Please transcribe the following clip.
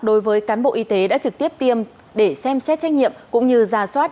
đối với cán bộ y tế đã trực tiếp tiêm để xem xét trách nhiệm cũng như ra soát